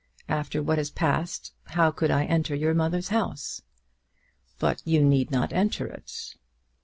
After what has passed, how could I enter your mother's house?" "But you need not enter it."